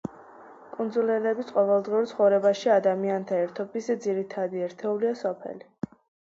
კუნძულელების ყოველდღიურ ცხოვრებაში ადამიანთა ერთიანობის ძირითადი ერთეულია სოფელი.